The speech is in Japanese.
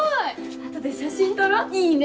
あとで写真撮ろういいね！